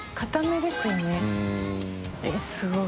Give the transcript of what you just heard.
すごい。